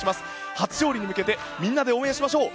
初勝利に向けて、みんなで応援しましょう！